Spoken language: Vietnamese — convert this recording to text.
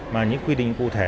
mà những quy định cụ thể